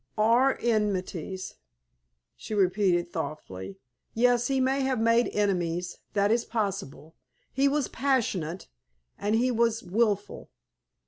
"Or enmities," she repeated, thoughtfully. "Yes; he may have made enemies. That is possible. He was passionate, and he was wilful.